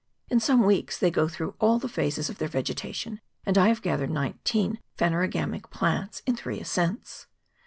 In some weeks they go through all the phases of their vegetation, and I have gathered nineteen phanerogamic plants in three ascents.